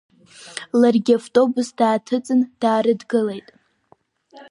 Ларгьы автобус дааҭыҵын, даарыдгылеит.